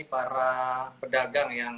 para pedagang yang